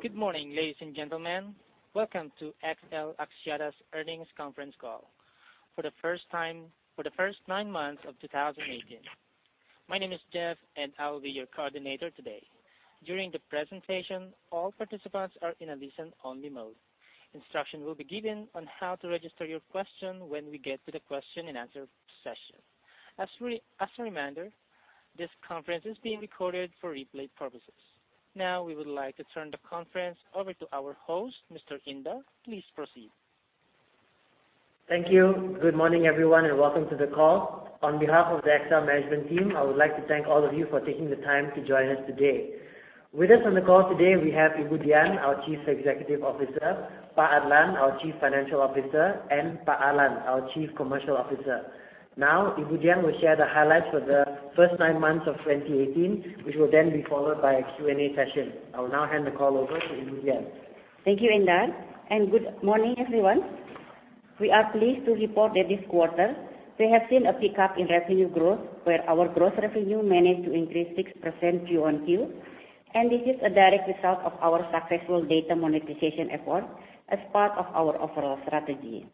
Good morning, ladies and gentlemen. Welcome to XL Axiata's earnings conference call for the first nine months of 2018. My name is Jeff, and I will be your coordinator today. During the presentation, all participants are in a listen-only mode. Instruction will be given on how to register your question when we get to the question and answer session. As a reminder, this conference is being recorded for replay purposes. Now, we would like to turn the conference over to our host, Mr. Indar. Please proceed. Thank you. Good morning, everyone, welcome to the call. On behalf of the XL management team, I would like to thank all of you for taking the time to join us today. With us on the call today, we have Ibu Dian, our Chief Executive Officer, Pak Adlan, our Chief Financial Officer, and Pak Allan, our Chief Commercial Officer. Ibu Dian will share the highlights for the first nine months of 2018, which will then be followed by a Q&A session. I will now hand the call over to Ibu Dian. Thank you, Indar, good morning, everyone. We are pleased to report that this quarter we have seen a pickup in revenue growth, where our gross revenue managed to increase 6% Q on Q. This is a direct result of our successful data monetization efforts as part of our overall strategy.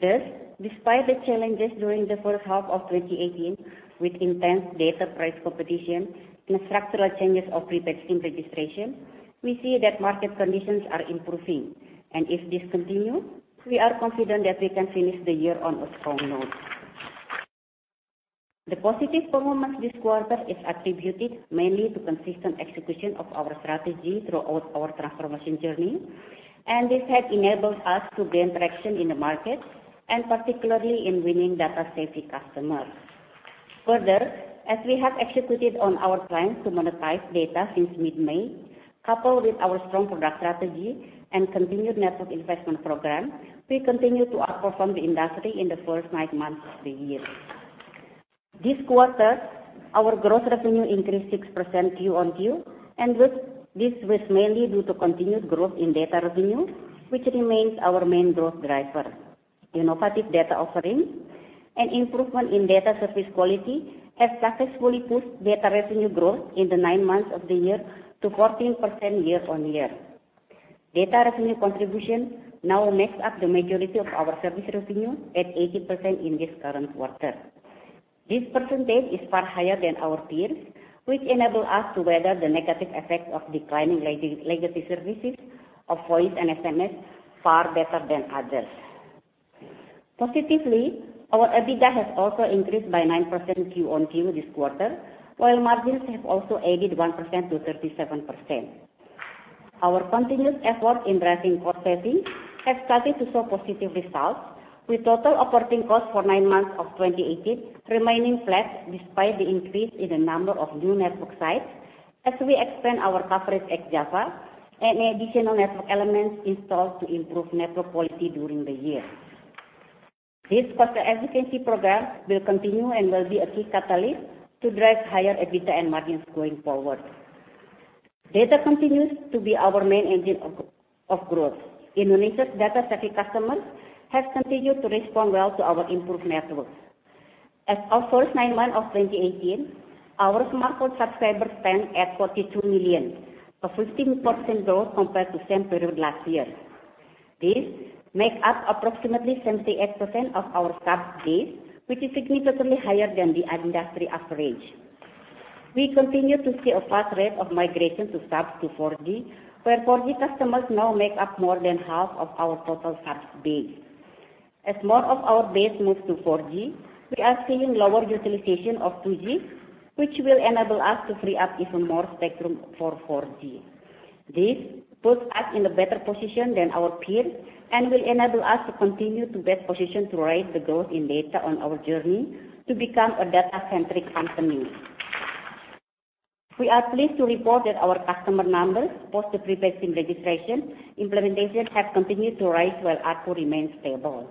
Thus, despite the challenges during the first half of 2018, with intense data price competition and structural changes of prepaid SIM registration, we see that market conditions are improving. If this continues, we are confident that we can finish the year on a strong note. The positive performance this quarter is attributed mainly to consistent execution of our strategy throughout our transformation journey, this has enabled us to gain traction in the market and particularly in winning data-savvy customers. Further, as we have executed on our plans to monetize data since mid-May, coupled with our strong product strategy and continued network investment program, we continue to outperform the industry in the first nine months of the year. This quarter, our gross revenue increased 6% Q on Q. This was mainly due to continued growth in data revenue, which remains our main growth driver. Innovative data offerings and improvement in data service quality have successfully pushed data revenue growth in the nine months of the year to 14% year on year. Data revenue contribution now makes up the majority of our service revenue at 80% in this current quarter. This percentage is far higher than our peers, which enable us to weather the negative effects of declining legacy services of voice and SMS far better than others. Positively, our EBITDA has also increased by 9% QoQ this quarter, while margins have also added 1% to 37%. Our continuous effort in driving cost savings have started to show positive results, with total operating costs for nine months of 2018 remaining flat despite the increase in the number of new network sites as we expand our coverage at Java and additional network elements installed to improve network quality during the year. This cost efficiency program will continue and will be a key catalyst to drive higher EBITDA and margins going forward. Data continues to be our main engine of growth. Indonesia's data-savvy customers have continued to respond well to our improved network. As of first nine months of 2018, our smartphone subscribers stand at 42 million, a 15% growth compared to the same period last year. This makes up approximately 78% of our subs base, which is significantly higher than the industry average. We continue to see a fast rate of migration to subs to 4G, where 4G customers now make up more than half of our total subs base. As more of our base moves to 4G, we are seeing lower utilization of 2G, which will enable us to free up even more spectrum for 4G. This puts us in a better position than our peers and will enable us to continue to best position to ride the growth in data on our journey to become a data-centric company. We are pleased to report that our customer numbers post the prepaid SIM registration implementation have continued to rise while ARPU remains stable,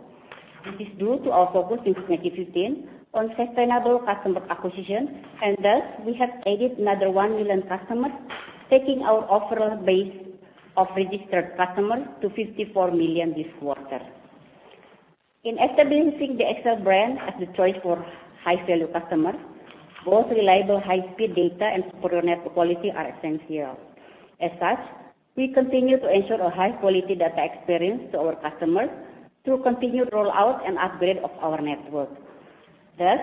which is due to our focus since 2015 on sustainable customer acquisition. Thus, we have added another 1 million customers, taking our overall base of registered customers to 54 million this quarter. In establishing the XL brand as the choice for high-value customers, both reliable high-speed data and superior network quality are essential. As such, we continue to ensure a high-quality data experience to our customers through continued rollout and upgrade of our network. Thus,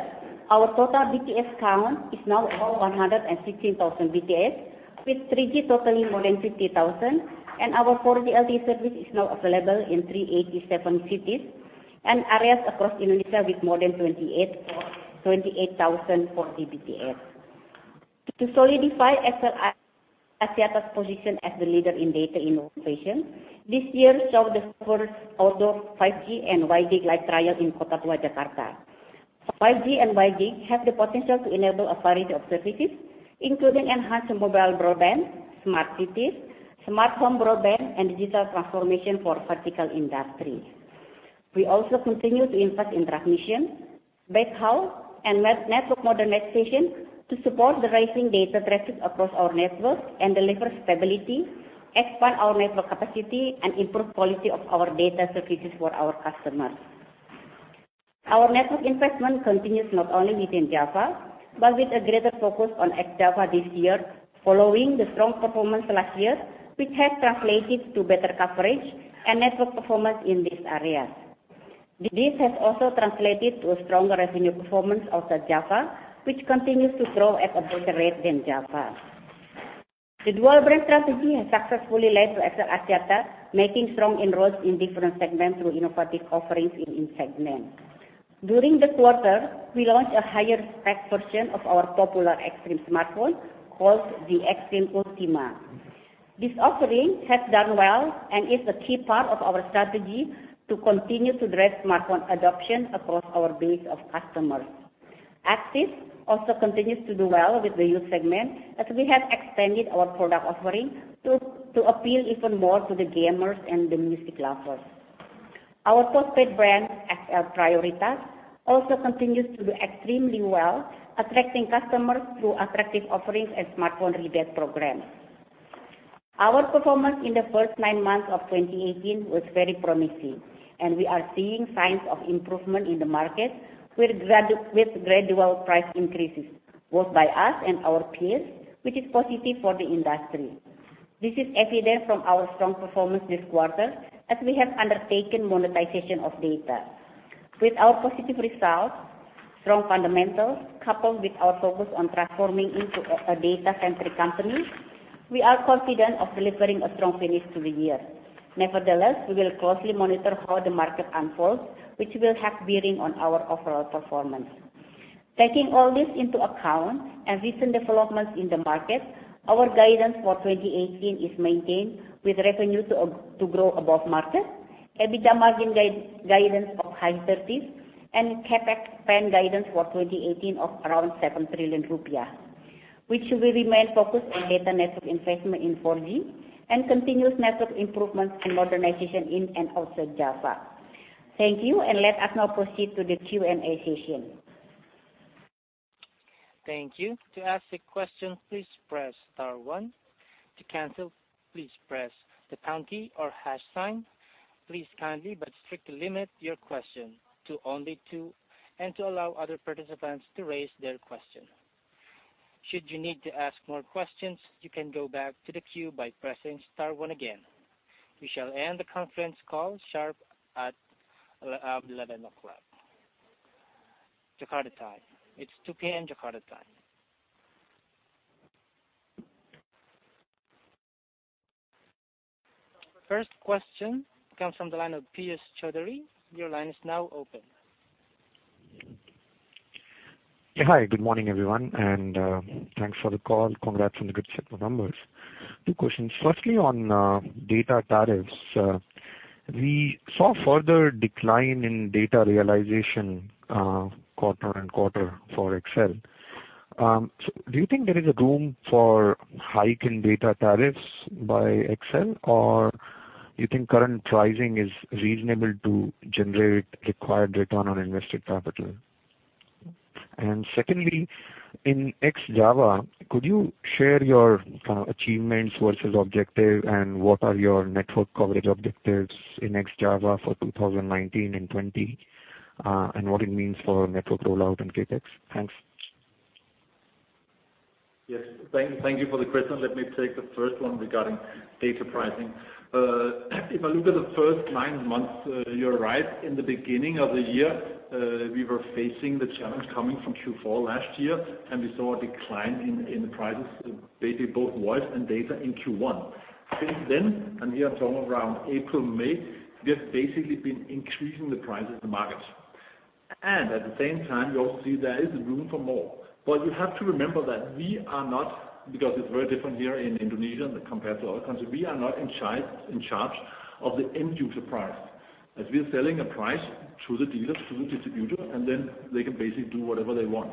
our total BTS count is now over 116,000 BTS, with 3G totaling more than 50,000 and our 4G LTE service is now available in 387 cities and areas across Indonesia with more than 28,000 4G BTS. To solidify XL Axiata's position as the leader in data innovation, this year saw the first outdoor 5G and WiGig live trial in Kota Tua Jakarta. 5G and WiGig have the potential to enable a variety of services, including enhanced mobile broadband, smart cities, smart home broadband, and digital transformation for vertical industries. We also continue to invest in transmission, backhaul, and network modernization to support the rising data traffic across our network and deliver stability, expand our network capacity, and improve quality of our data services for our customers. Our network investment continues not only within Java, but with a greater focus on ex-Java this year following the strong performance last year, which has translated to better coverage and network performance in these areas. This has also translated to a stronger revenue performance outside Java, which continues to grow at a better rate than Java. The dual brand strategy has successfully led to XL Axiata, making strong inroads in different segments through innovative offerings in each segment. During the quarter, we launched a higher spec version of our popular Xtream smartphone called the XTREAM Ultima. This offering has done well and is a key part of our strategy to continue to drive smartphone adoption across our base of customers. AXIS also continues to do well with the youth segment, as we have expanded our product offering to appeal even more to the gamers and the music lovers. Our postpaid brand, XL Prioritas, also continues to do extremely well, attracting customers through attractive offerings and smartphone rebate programs. Our performance in the first nine months of 2018 was very promising. We are seeing signs of improvement in the market with gradual price increases, both by us and our peers, which is positive for the industry. This is evident from our strong performance this quarter as we have undertaken monetization of data. With our positive results, strong fundamentals, coupled with our focus on transforming into a data-centric company, we are confident of delivering a strong finish to the year. Nevertheless, we will closely monitor how the market unfolds, which will have a bearing on our overall performance. Taking all this into account and recent developments in the market, our guidance for 2018 is maintained, with revenue to grow above market, EBITDA margin guidance of high 30s, and CapEx spend guidance for 2018 of around 7 trillion rupiah, which will remain focused on data network investment in 4G and continuous network improvements and modernization in and outside Java. Thank you. Let us now proceed to the Q&A session. Thank you. To ask a question, please press star one. To cancel, please press the pound key or hash sign. Please kindly but strictly limit your question to only two and to allow other participants to raise their question. Should you need to ask more questions, you can go back to the queue by pressing star one again. We shall end the conference call sharp at 11:00 A.M. Jakarta time. It's 2:00 P.M. Jakarta time. First question comes from the line of Piyush Choudhury. Your line is now open. Yeah. Hi, good morning, everyone, and thanks for the call. Congrats on the good set of numbers. Two questions. Firstly, on data tariffs, we saw a further decline in data realization quarter on quarter for XL. Do you think there is room for a hike in data tariffs by XL? Do you think current pricing is reasonable to generate required return on invested capital? Secondly, in ex-Java, could you share your achievements versus objectives and what are your network coverage objectives in ex-Java for 2019 and 2020, and what it means for network rollout and CapEx? Thanks. Yes. Thank you for the question. Let me take the first one regarding data pricing. If I look at the first 9 months, you're right. In the beginning of the year, we were facing the challenge coming from Q4 last year, we saw a decline in the prices, basically both voice and data in Q1. Since then, here I'm talking around April, May, we have basically been increasing the prices in the market. At the same time, we also see there is room for more. You have to remember that we are not, because it's very different here in Indonesia compared to other countries. We are not in charge of the end user price, as we are selling a price to the dealers, to the distributors, then they can basically do whatever they want.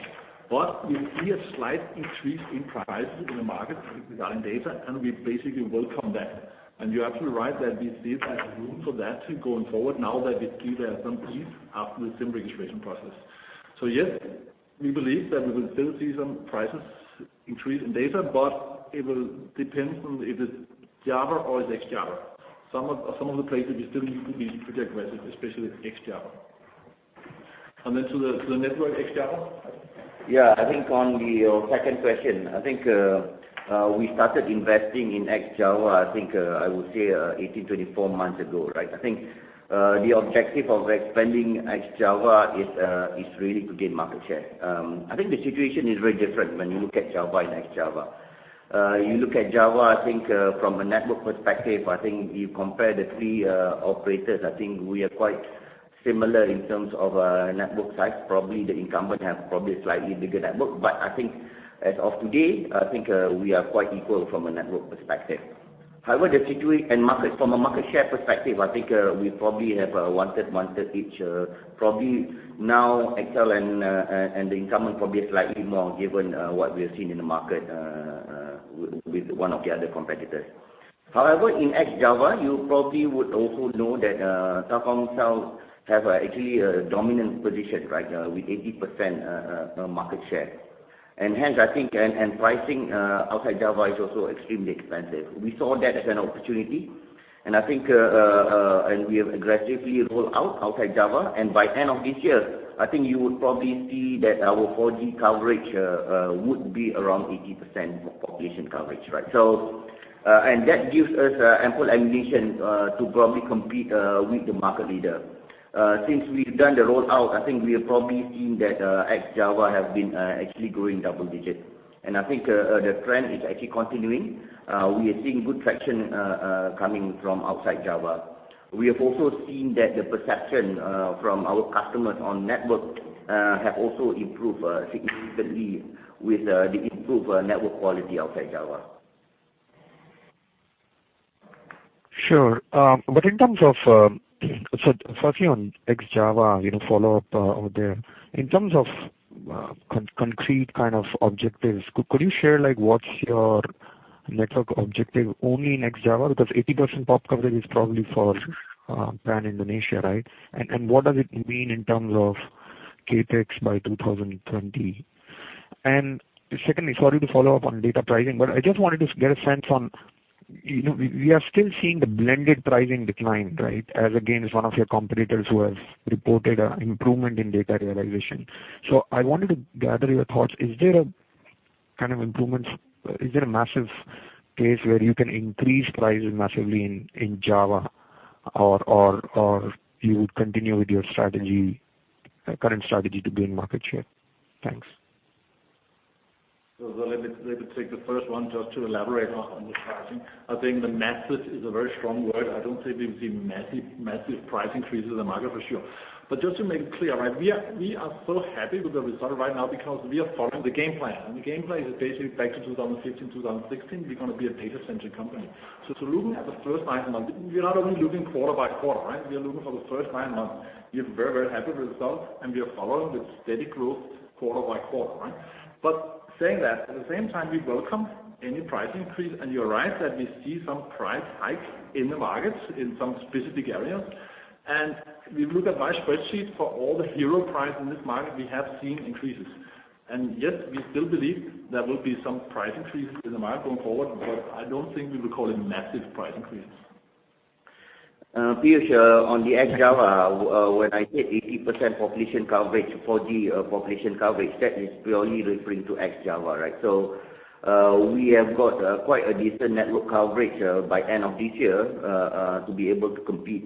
We see a slight increase in prices in the market regarding data, we basically welcome that. You're absolutely right that we still have room for that going forward now that we see there is some ease after the SIM registration process. Yes, we believe that we will still see some prices increase in data, it will depend on if it's Java or it's ex-Java. Some of the places we still need to be pretty aggressive, especially with ex-Java. To the network ex-Java? On your second question, we started investing in ex-Java, I would say 18-24 months ago, right? The objective of expanding ex-Java is really to gain market share. The situation is very different when you look at Java and ex-Java. You look at Java, from a network perspective, if you compare the three operators, we are quite similar in terms of network size. Probably the incumbent have probably a slightly bigger network. As of today, we are quite equal from a network perspective. However, from a market share perspective, we probably have one-third, one-third each. Probably now XL and the incumbent probably slightly more given what we are seeing in the market with one of the other competitors. However, in ex-Java, you probably would also know that Telkomsel have actually a dominant position right now with 80% market share. Pricing outside Java is also extremely expensive. We saw that as an opportunity I think we have aggressively rolled out outside Java. By end of this year, I think you would probably see that our 4G coverage would be around 80% of population coverage. That gives us ample ammunition to probably compete with the market leader. Since we've done the rollout, I think we have probably seen that ex-Java have been actually growing double digits. I think the trend is actually continuing. We are seeing good traction coming from outside Java. We have also seen that the perception from our customers on network have also improved significantly with the improved network quality outside Java. Sure. [Allan], on ex-Java, follow up out there. In terms of concrete kind of objectives, could you share what's your network objective only in ex-Java? Because 80% pop coverage is probably for pan-Indonesia, right? What does it mean in terms of CapEx by 2020? Secondly, sorry to follow up on data pricing, but I just wanted to get a sense on, we are still seeing the blended pricing decline, right? As again, as one of your competitors who has reported an improvement in data realization. I wanted to gather your thoughts. Is there a kind of improvements? Is there a massive case where you can increase prices massively in Java or you would continue with your current strategy to gain market share? Thanks. Let me take the first one just to elaborate on the pricing. I think massive is a very strong word. I don't think we'll see massive price increases in the market for sure. Just to make it clear, we are so happy with the result right now because we are following the game plan. The game plan is basically back to 2015, 2016. We're going to be a data centric company. Looking at the first nine months, we are not only looking quarter by quarter, we are looking for the first nine months. We are very happy with the results, and we are following with steady growth quarter by quarter. Saying that, at the same time, we welcome any price increase. You're right that we see some price hikes in the markets in some specific areas. We look at my spreadsheet for all the zero price in this market, we have seen increases. Yet we still believe there will be some price increases in the market going forward. I don't think we will call it massive price increases. Piyush, on the ex-Java, when I said 80% population coverage, 4G population coverage, that is purely referring to ex-Java. We have got quite a decent network coverage by end of this year to be able to compete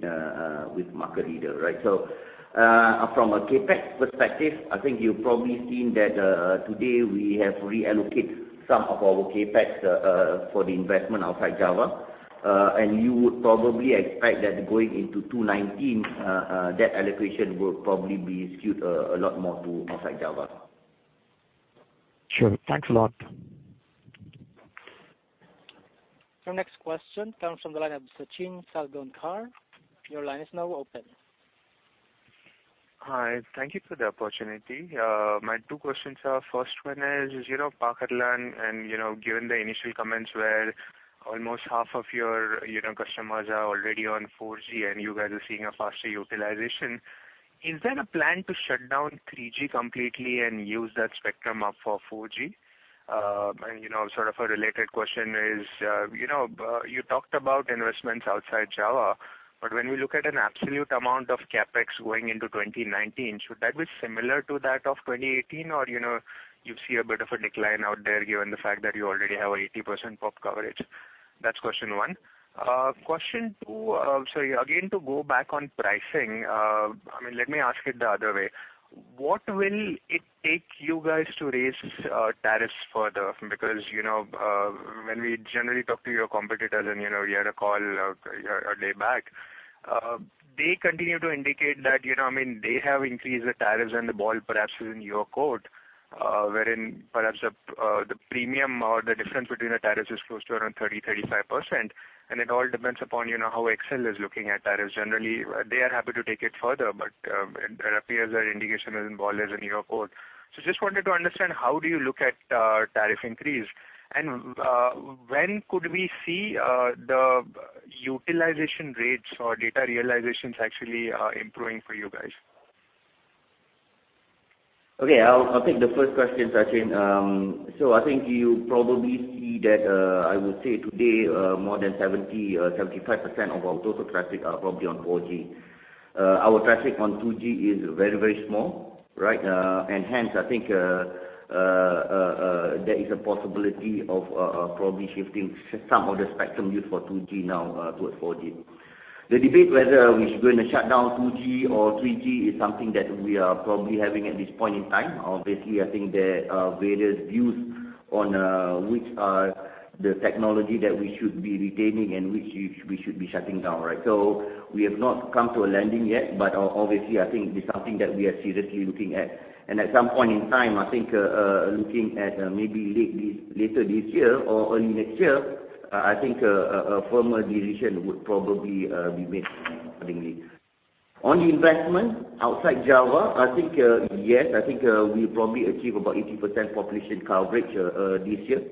with market leader. From a CapEx perspective, I think you've probably seen that today we have reallocated some of our CapEx for the investment outside Java. You would probably expect that going into 2019, that allocation will probably be skewed a lot more to outside Java. Sure. Thanks a lot. Our next question comes from the line of Sachin Salgaonkar. Your line is now open. Hi. Thank you for the opportunity. My two questions are, first one is, you know Pak Adlan and given the initial comments where almost half of your customers are already on 4G and you guys are seeing a faster utilization. Is there a plan to shut down 3G completely and use that spectrum up for 4G? Sort of a related question is, you talked about investments outside Java. When we look at an absolute amount of CapEx going into 2019, should that be similar to that of 2018? You see a bit of a decline out there given the fact that you already have 80% pop coverage? That's question one. Question two, sorry, again, to go back on pricing, let me ask it the other way. What will it take you guys to raise tariffs further? When we generally talk to your competitors and we had a call a day back, they continue to indicate that they have increased the tariffs and the ball perhaps is in your court. Wherein perhaps the premium or the difference between the tariffs is close to around 30%-35% and it all depends upon how XL is looking at tariffs. Generally, they are happy to take it further, but it appears that indication is involved is in your court. Just wanted to understand, how do you look at tariff increase? When could we see the utilization rates or data realizations actually improving for you guys? Okay. I'll take the first question, Sachin. I think you probably see that, I would say today, more than 70%-75% of our total traffic are probably on 4G. Our traffic on 2G is very small. Hence, I think there is a possibility of probably shifting some of the spectrum used for 2G now towards 4G. The debate whether we're going to shut down 2G or 3G is something that we are probably having at this point in time. Obviously, I think there are various views on which are the technology that we should be retaining and which we should be shutting down. We have not come to a landing yet, but obviously, I think it's something that we are seriously looking at. At some point in time, I think looking at maybe later this year or early next year, I think a firmer decision would probably be made accordingly. On the investment outside Java, I think, yes, I think we probably achieve about 80% population coverage this year,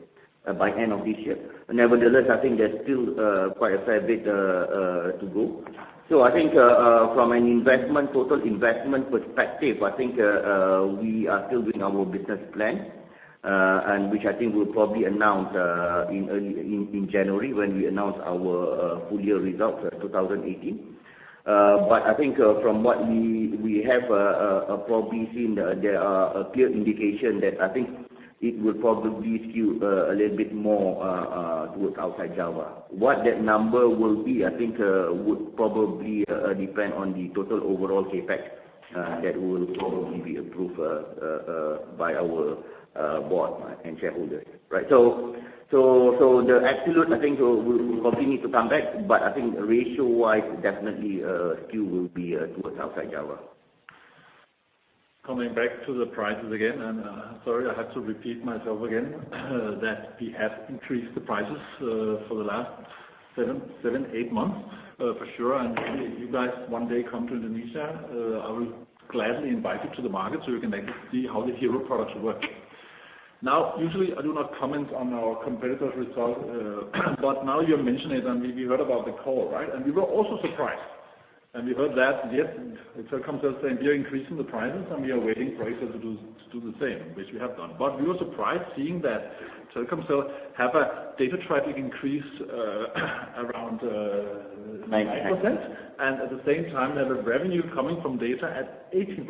by end of this year. Nevertheless, I think there's still quite a fair bit to go. I think from an investment, total investment perspective, I think we are still doing our business plan and which I think we'll probably announce in January when we announce our full year results of 2018. I think from what we have probably seen, there are a clear indication that I think it will probably skew a little bit more towards outside Java. What that number will be, I think would probably depend on the total overall CapEx that will probably be approved by our board and shareholders. The absolute, I think will continue to come back, but I think ratio wise, definitely skew will be towards outside Java. Coming back to the prices again, sorry, I have to repeat myself again, that we have increased the prices for the last seven, eight months for sure. Maybe if you guys one day come to Indonesia, I will gladly invite you to the market so you can actually see how the hero products work. Now, usually I do not comment on our competitors' results, you mention it, we heard about the call, right? We were also surprised. We heard that, yes, Telkomsel is saying, we are increasing the prices and we are waiting for XL to do the same, which we have done. We were surprised seeing that Telkomsel have a data traffic increase around 9% and at the same time, they have a revenue coming from data at 18%,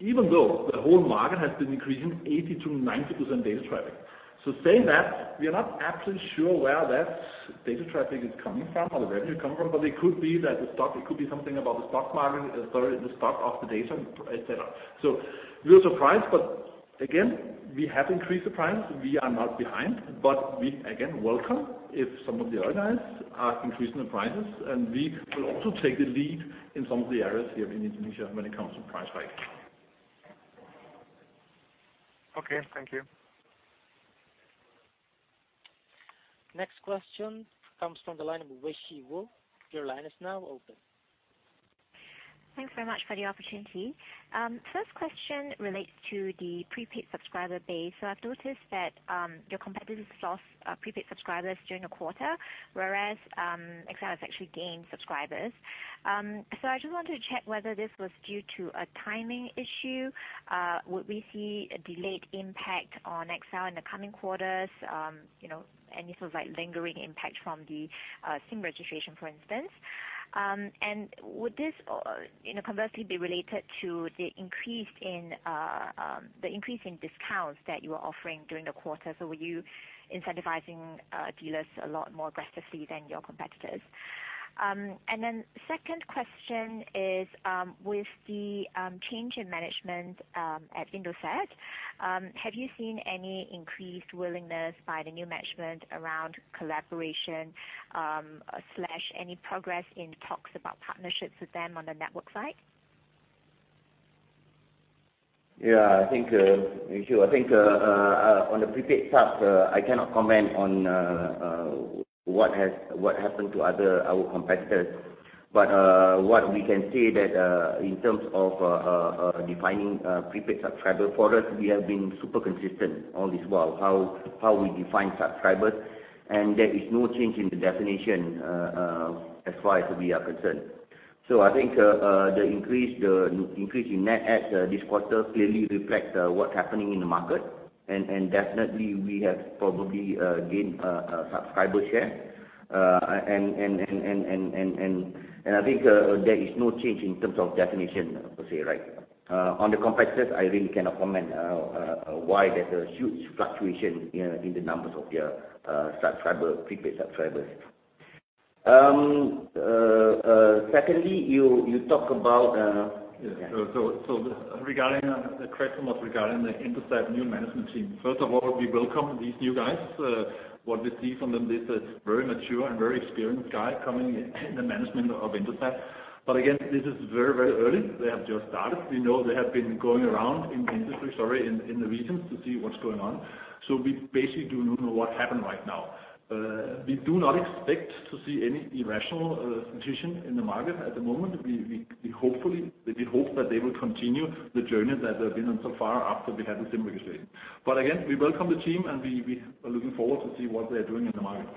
even though the whole market has been increasing 80%-90% data traffic. Saying that, we are not actually sure where that data traffic is coming from or the revenue coming from, it could be something about the stock market, sorry, the stock of the data, et cetera. We are surprised, again, we have increased the prices. We are not behind, we again welcome if some of the other guys are increasing the prices, we will also take the lead in some of the areas here in Indonesia when it comes to price hike. Okay. Thank you. Next question comes from the line of Wei Shi. Your line is now open. Thanks very much for the opportunity. First question relates to the prepaid subscriber base. I've noticed that your competitors lost prepaid subscribers during the quarter, whereas XL has actually gained subscribers. I just wanted to check whether this was due to a timing issue. Would we see a delayed impact on XL in the coming quarters? Any sort of lingering impact from the SIM registration, for instance? Would this conversely be related to the increase in discounts that you are offering during the quarter? Were you incentivizing dealers a lot more aggressively than your competitors? Second question is, with the change in management at Indosat, have you seen any increased willingness by the new management around collaboration/any progress in talks about partnerships with them on the network side? I think on the prepaid stuff, I cannot comment on what happened to our competitors. What we can say that in terms of defining prepaid subscribers for us, we have been super consistent all this while, how we define subscribers, and there is no change in the definition as far as we are concerned. I think the increase in net adds this quarter clearly reflects what's happening in the market, and definitely we have probably gained a subscriber share. I think there is no change in terms of definition per se. On the competitors, I really cannot comment why there's a huge fluctuation in the numbers of their prepaid subscribers. Secondly, you talk about- Regarding the question was regarding the Indosat new management team. First of all, we welcome these new guys. What we see from them, this is very mature and very experienced guy coming in the management of Indosat. Again, this is very early. They have just started. We know they have been going around in industry, sorry, in the regions to see what's going on. We basically do not know what happened right now. We do not expect to see any irrational decision in the market at the moment. We hope that they will continue the journey that they've been on so far after we had the SIM registration. Again, we welcome the team, and we are looking forward to see what they're doing in the market.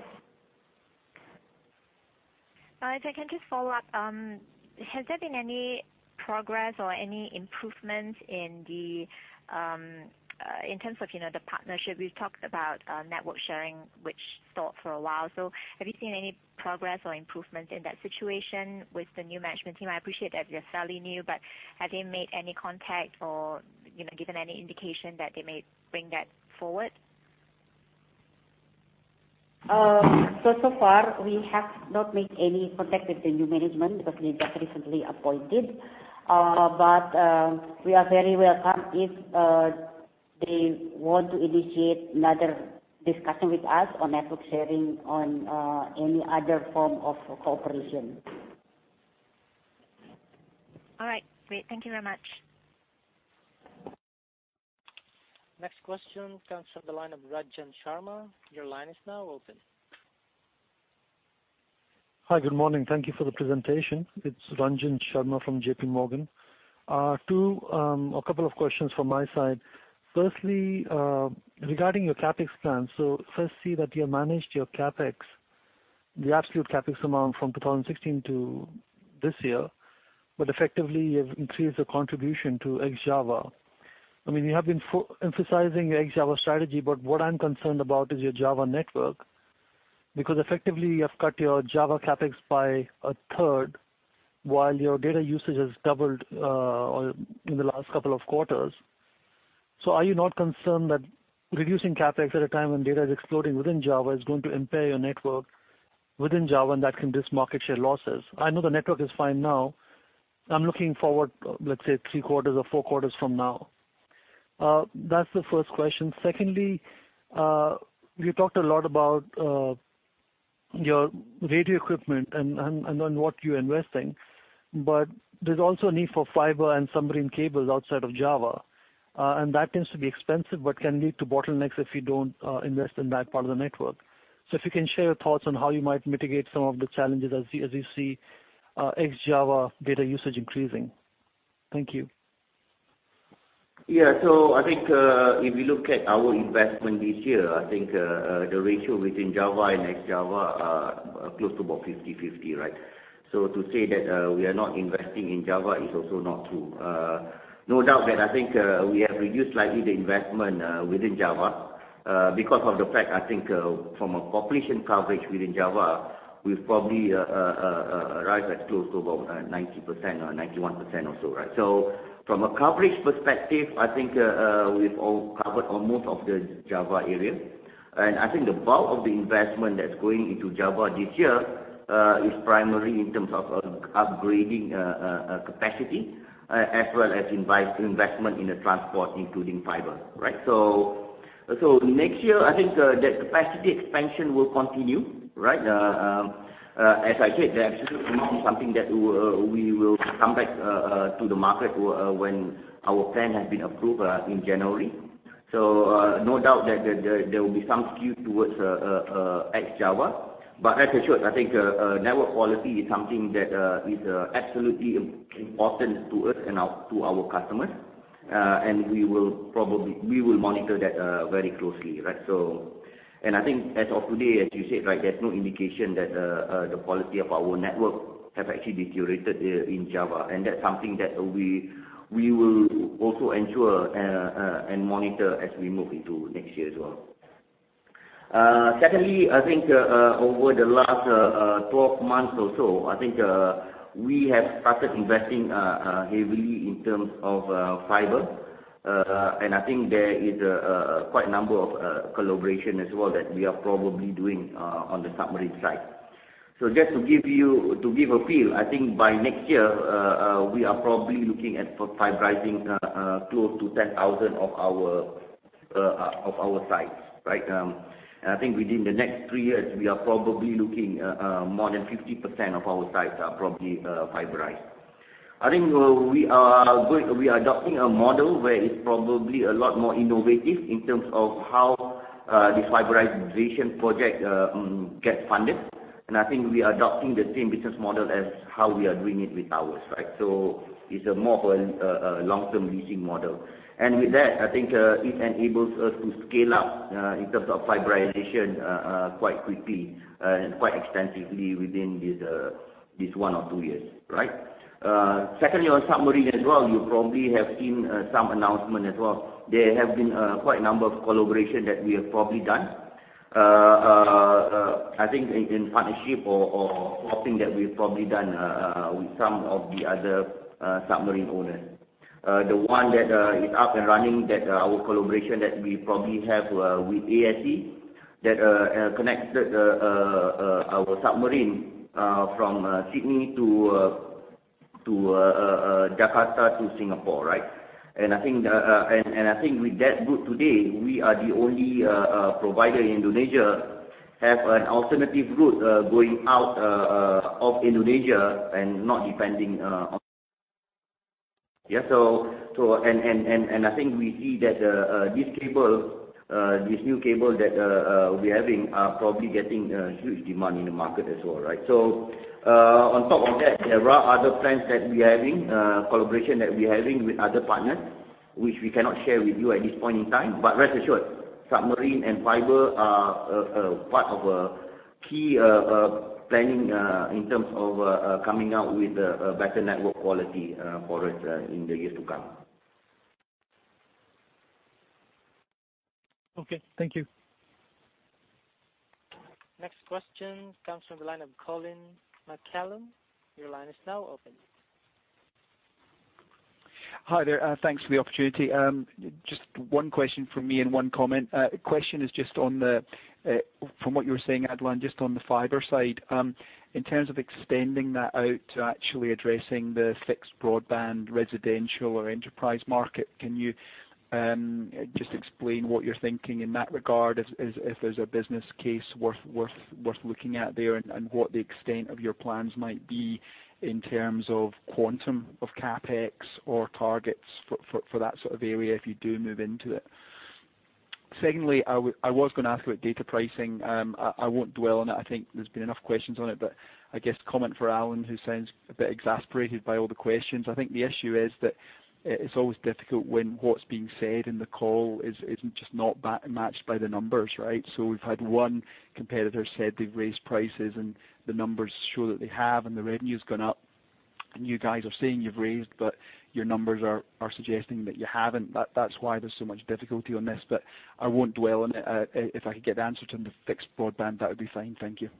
If I can just follow up, has there been any progress or any improvements in terms of the partnership? We've talked about network sharing which stopped for a while. Have you seen any progress or improvements in that situation with the new management team? I appreciate that they're fairly new, have they made any contact or given any indication that they may bring that forward? We have not made any contact with the new management because they've just recently appointed. We are very welcome if they want to initiate another discussion with us on network sharing on any other form of cooperation. All right, great. Thank you very much. Next question comes from the line of Ranjan Sharma. Your line is now open. Hi, good morning. Thank you for the presentation. It's Ranjan Sharma from J.P. Morgan. A couple of questions from my side. Firstly, regarding your CapEx plan, so first see that you have managed your CapEx The absolute CapEx amount from 2016 to this year, but effectively you have increased the contribution to ex-Java. You have been emphasizing ex-Java strategy, but what I'm concerned about is your Java network, because effectively you have cut your Java CapEx by a third while your data usage has doubled in the last couple of quarters. Are you not concerned that reducing CapEx at a time when data is exploding within Java is going to impair your network within Java, and that can risk market share losses? I know the network is fine now. I'm looking forward, let's say three quarters or four quarters from now. That's the first question. Secondly, you talked a lot about your radio equipment and on what you're investing, but there's also a need for fiber and submarine cables outside of Java, and that tends to be expensive, but can lead to bottlenecks if you don't invest in that part of the network. If you can share your thoughts on how you might mitigate some of the challenges as you see ex-Java data usage increasing. Thank you. I think, if we look at our investment this year, I think the ratio between Java and ex-Java are close to about 50/50, right? To say that we are not investing in Java is also not true. No doubt that, I think, we have reduced slightly the investment within Java, because of the fact, I think, from a population coverage within Java, we've probably arrived at close to about 90% or 91% or so, right? From a coverage perspective, I think we've covered almost of the Java area. I think the bulk of the investment that's going into Java this year is primarily in terms of upgrading capacity as well as investment in the transport, including fiber, right? Next year, I think, the capacity expansion will continue, right? As I said, the absolute amount is something that we will come back to the market when our plan has been approved in January. No doubt that there will be some skew towards ex-Java. Rest assured, I think network quality is something that is absolutely important to us and to our customers. We will monitor that very closely, right? I think as of today, as you said, there's no indication that the quality of our network have actually deteriorated in Java, and that's something that we will also ensure and monitor as we move into next year as well. Secondly, I think, over the last 12 months or so, I think, we have started investing heavily in terms of fiber. I think there is quite a number of collaboration as well that we are probably doing on the submarine side. Just to give a feel, I think by next year, we are probably looking at fiberizing close to 10,000 of our sites. I think within the next three years, we are probably looking at more than 50% of our sites are probably fiberized. I think we are adopting a model where it's probably a lot more innovative in terms of how this fiberization project gets funded. I think we are adopting the same business model as how we are doing it with towers. It's more of a long-term leasing model. With that, I think it enables us to scale up in terms of fiberization quite quickly and quite extensively within this one or two years. Secondly, on submarine as well, you probably have seen some announcement as well. There have been quite a number of collaborations that we have probably done. I think in partnership or something that we've probably done with some of the other submarine owners. The one that is up and running, our collaboration that we probably have with Australia Singapore Cable that connects our submarine from Sydney to Jakarta to Singapore. I think with that route today, we are the only provider in Indonesia, have an alternative route going out of Indonesia and not depending on. I think we see that this new cable that we're having are probably getting huge demand in the market as well. On top of that, there are other plans that we are having, collaboration that we're having with other partners, which we cannot share with you at this point in time. Rest assured, submarine and fiber are part of a key planning in terms of coming out with a better network quality for us in the years to come. Okay. Thank you. Next question comes from the line of Colin McCallum. Your line is now open. Hi there. Thanks for the opportunity. Just one question from me and one comment. Question is just on the, from what you were saying, Adlan, just on the fiber side. In terms of extending that out to actually addressing the fixed broadband residential or enterprise market, can you just explain what you're thinking in that regard as if there's a business case worth looking at there and what the extent of your plans might be in terms of quantum of CapEx or targets for that sort of area if you do move into it? I was going to ask about data pricing. I won't dwell on it. I think there's been enough questions on it. I guess comment for Alan, who sounds a bit exasperated by all the questions. I think the issue is that it's always difficult when what's being said in the call isn't just not matched by the numbers, right? We've had one competitor said they've raised prices and the numbers show that they have, and the revenue's gone up. You guys are saying you've raised, but your numbers are suggesting that you haven't. That's why there's so much difficulty on this. I won't dwell on it. If I could get an answer on the fixed broadband, that would be fine. Thank you.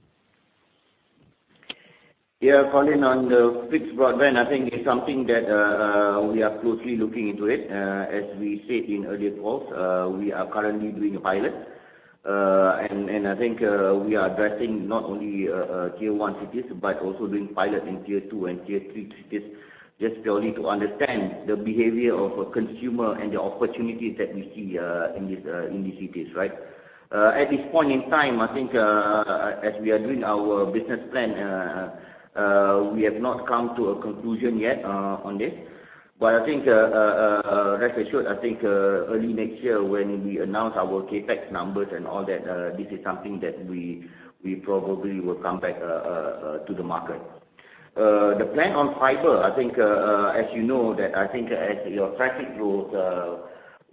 Colin, on the fixed broadband, I think it's something that we are closely looking into it. As we said in earlier calls, we are currently doing a pilot. I think we are addressing not only tier 1 cities but also doing pilot in tier 2 and tier 3 cities, just purely to understand the behavior of a consumer and the opportunities that we see in these cities, right? At this point in time, I think as we are doing our business plan, we have not come to a conclusion yet on this. Rest assured, I think early next year when we announce our CapEx numbers and all that, this is something that we probably will come back to the market. The plan on fiber, I think, as you know, that as your traffic grows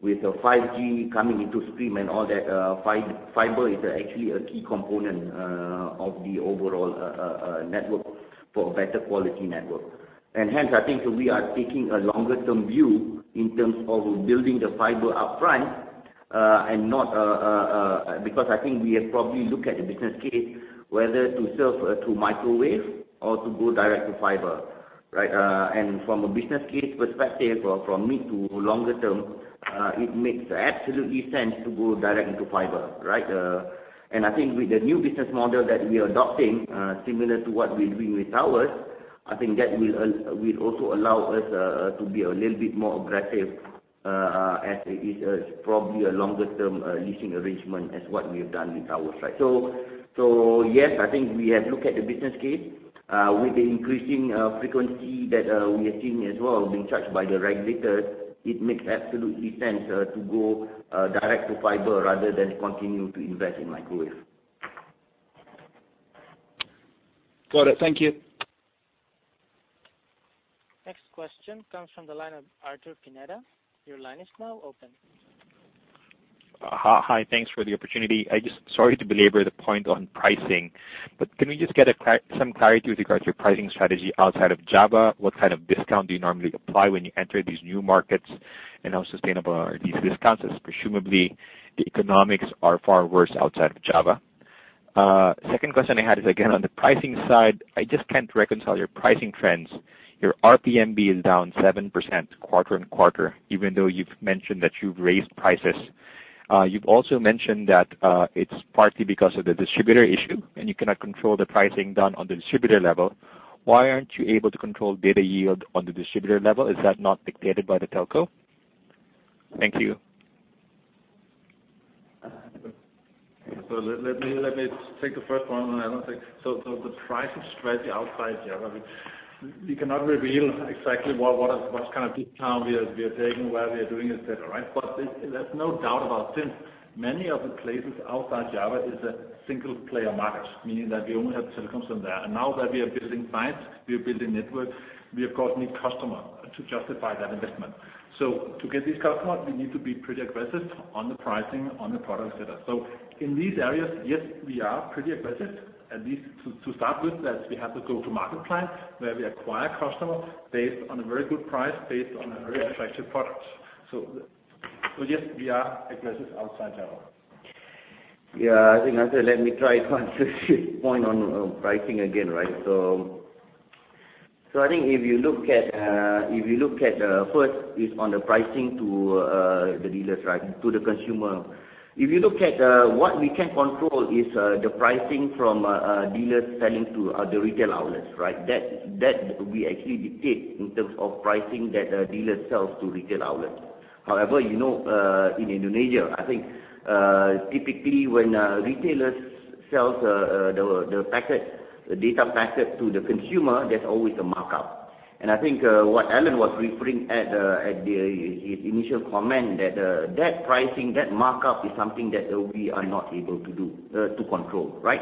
with 5G coming into stream and all that, fiber is actually a key component of the overall network for a better quality network. Hence, I think we are taking a longer-term view in terms of building the fiber upfront. I think we have probably looked at the business case whether to serve through microwave or to go direct to fiber. Right? From a business case perspective or from mid to longer term, it makes absolutely sense to go direct into fiber, right? I think with the new business model that we are adopting, similar to what we're doing with towers, I think that will also allow us to be a little bit more aggressive as it is probably a longer-term leasing arrangement as what we have done with towers. Yes, I think we have looked at the business case. With the increasing frequency that we are seeing as well being charged by the regulators, it makes absolute sense to go direct to fiber rather than continue to invest in microwave. Got it. Thank you. Next question comes from the line of Arthur Pineda. Your line is now open. Hi. Thanks for the opportunity. Sorry to belabor the point on pricing. Can we just get some clarity with regards to your pricing strategy outside of Java? What kind of discount do you normally apply when you enter these new markets? How sustainable are these discounts, as presumably the economics are far worse outside of Java? Second question I had is, again, on the pricing side, I just can't reconcile your pricing trends. Your RPMB is down 7% QoQ, even though you've mentioned that you've raised prices. You've also mentioned that it's partly because of the distributor issue, you cannot control the pricing down on the distributor level. Why aren't you able to control data yield on the distributor level? Is that not dictated by the telco? Thank you. Let me take the first one, then Adlan. The pricing strategy outside Java. We cannot reveal exactly what kind of discount we are taking, where we are doing, et cetera. There's no doubt about since many of the places outside Java is a single-player market, meaning that we only have Telkomsel from there. Now that we are building sites, we are building networks, we of course need customer to justify that investment. To get these customers, we need to be pretty aggressive on the pricing on the product setup. In these areas, yes, we are pretty aggressive. At least to start with, that we have the go-to-market plan where we acquire customers based on a very good price, based on a very attractive product. Yes, we are aggressive outside Java. Arthur, let me try to answer his point on pricing again, right? If you look at first is on the pricing to the dealers, to the consumer. If you look at what we can control is the pricing from dealers selling to the retail outlets. That we actually dictate in terms of pricing that a dealer sells to retail outlet. However, in Indonesia, typically, when a retailer sells the data packet to the consumer, there's always a markup. What Allan was referring at his initial comment that pricing, that markup is something that we are not able to control. Right?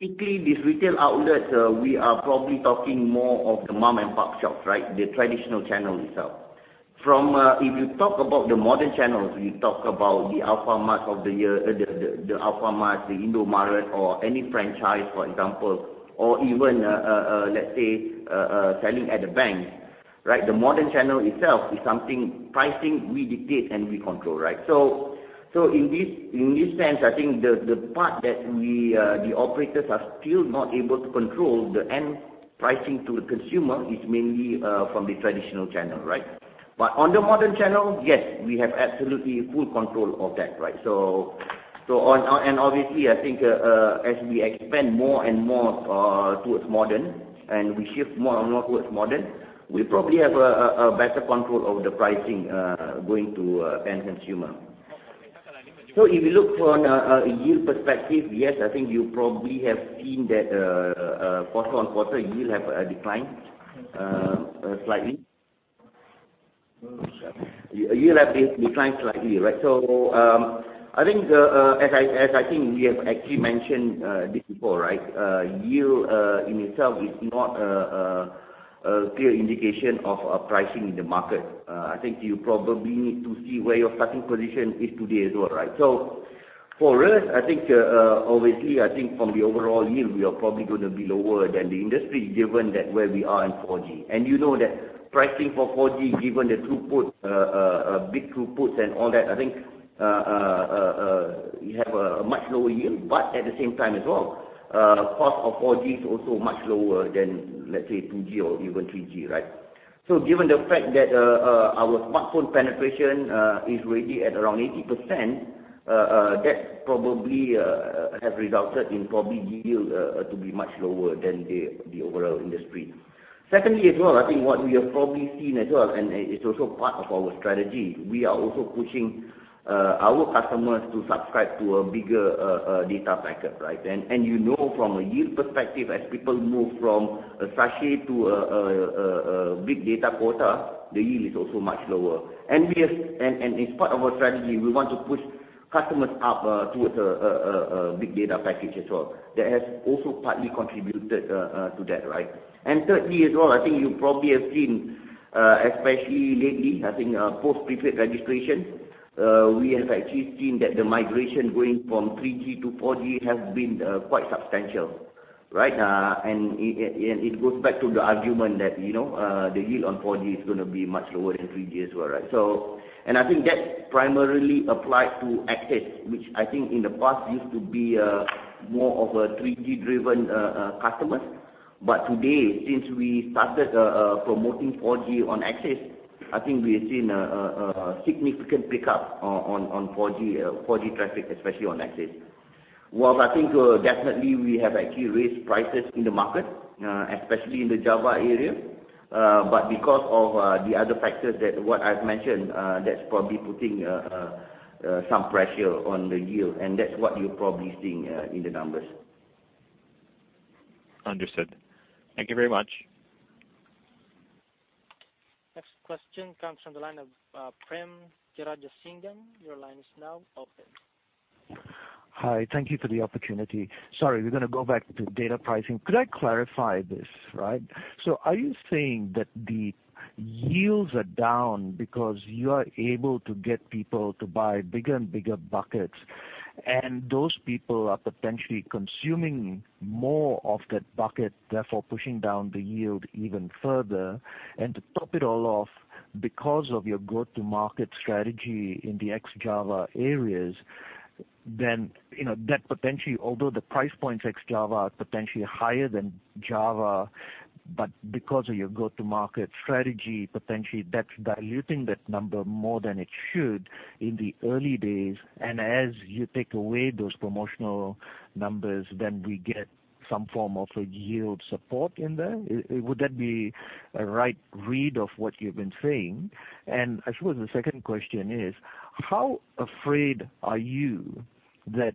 Typically, these retail outlets, we are probably talking more of the mom-and-pop shops. The traditional channel itself. If you talk about the modern channels, you talk about the Alfamart, the Indomaret, or any franchise, for example, or even, let's say, selling at the bank. The modern channel itself is something pricing we dictate and we control, right? In this sense, the part that the operators are still not able to control the end pricing to the consumer is mainly from the traditional channel, right? On the modern channel, yes, we have absolutely full control of that. Obviously, as we expand more and more towards modern, and we shift more and more towards modern, we probably have a better control over the pricing going to end consumer. If you look from a yield perspective, yes, you probably have seen that QoQ yield have declined slightly. Yield have declined slightly. I think we have actually mentioned this before. Yield in itself is not a clear indication of pricing in the market. I think you probably need to see where your starting position is today as well. For us, obviously, I think from the overall yield, we are probably going to be lower than the industry, given where we are in 4G. You know that pricing for 4G, given the big throughputs and all that, I think we have a much lower yield. At the same time as well, cost of 4G is also much lower than, let's say, 2G or even 3G, right? Given the fact that our smartphone penetration is really at around 80%, that probably has resulted in probably yield to be much lower than the overall industry. Secondly as well, I think what we have probably seen as well, it's also part of our strategy, we are also pushing our customers to subscribe to a bigger data packet, right? You know from a yield perspective, as people move from a sachet to a big data quota, the yield is also much lower. It's part of our strategy. We want to push customers up towards a big data package as well. That has also partly contributed to that, right? Thirdly as well, I think you probably have seen, especially lately, I think post prepaid registration, we have actually seen that the migration going from 3G to 4G has been quite substantial, right? It goes back to the argument that the yield on 4G is going to be much lower than 3G as well, right? I think that primarily applies to AXIS, which I think in the past used to be more of a 3G-driven customer. Today, since we started promoting 4G on AXIS, I think we have seen a significant pickup on 4G traffic, especially on AXIS. While I think definitely we have actually raised prices in the market, especially in the Java area. Because of the other factors that what I've mentioned, that's probably putting some pressure on the yield, and that's what you're probably seeing in the numbers. Understood. Thank you very much. Next question comes from the line of Prem Jearajasingam. Your line is now open. Hi. Thank you for the opportunity. Sorry, we're going to go back to data pricing. Could I clarify this, right? Are you saying that the yields are down because you are able to get people to buy bigger and bigger buckets, and those people are potentially consuming more of that bucket, therefore pushing down the yield even further? To top it all off, because of your go-to-market strategy in the ex-Java areas, that potentially, although the price points ex-Java are potentially higher than Java, but because of your go-to-market strategy, potentially that's diluting that number more than it should in the early days. As you take away those promotional numbers, we get some form of a yield support in there. Would that be a right read of what you've been saying? I suppose the second question is, how afraid are you that